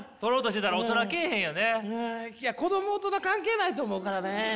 いや子供大人関係ないと思うからね。